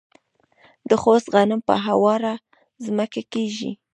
د خوست غنم په هواره ځمکه کیږي.